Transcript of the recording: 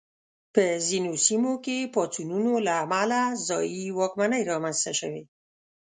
په ځینو سیمو کې پاڅونونو له امله ځايي واکمنۍ رامنځته شوې.